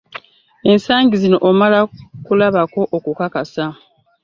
Ensangi zino omala kulabako okukakasa.